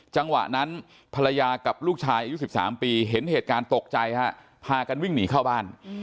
จังหวะนั้นภรรยากับลูกชายอายุ๑๓ปีเห็นเหตุการณ์ตกใจฮะพากันวิ่งหนีเข้าบ้าน